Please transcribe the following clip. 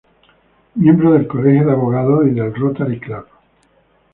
Miembro del Colegio de Abogados y del Rotary Club.